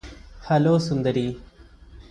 hello Sundari